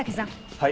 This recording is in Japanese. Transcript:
はい。